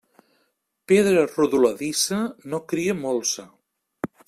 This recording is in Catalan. Pedra rodoladissa no cria molsa.